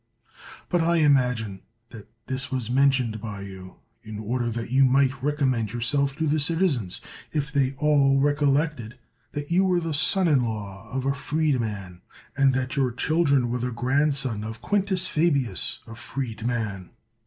But I imagine that this was mentioned by you, in order that you might recommend yourself to the citizens, if they all recollected that you were the son in law of a f reedman, and that your children were the grandsons of Quin tus Fabius, a f reedman.